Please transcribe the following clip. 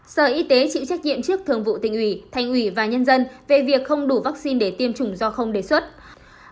sở y tế chịu trách nhiệm trước thường vụ tình ủy thành ủy và nhân dân về việc không đủ vaccine để tiêm chủng do không nhu cầu